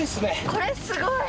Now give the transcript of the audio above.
これすごい。